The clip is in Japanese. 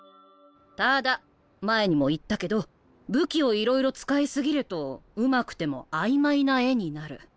ただ前にも言ったけど武器をいろいろ使い過ぎるとうまくても曖昧な絵になる。